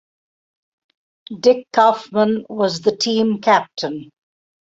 Dick Kaufmann was the team captain.